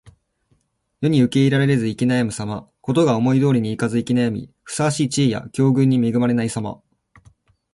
世に受け入れられず行き悩むさま。事が思い通りにいかず行き悩み、ふさわしい地位や境遇に恵まれないさま。